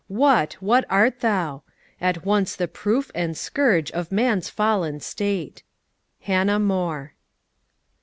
what, what art thou? At once the proof and scourge of man's fallen state." HANNAH MORE.